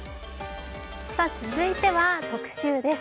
続いては特集です。